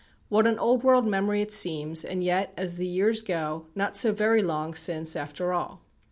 What an old world memory it seems, and yet, as the years go, not so very long since after all.